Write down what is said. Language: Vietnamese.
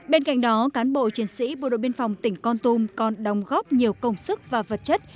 bên cạnh đó cán bộ chiến sĩ bộ đội biên phòng tỉnh con tum còn đồng góp nhiều công sức và vật chất